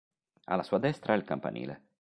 Alla sua destra, il campanile.